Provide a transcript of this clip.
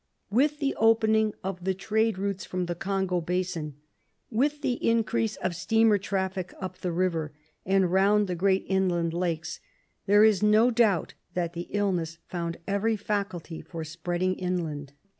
With the opening of trade routes from the Congo basin, with the increase of steamer traffic up the river and round the great inland lakes, there is no doubt that the illness found every facility for spreading inland.